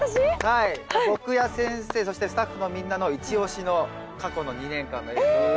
僕や先生そしてスタッフのみんなのイチオシの過去の２年間の映像が。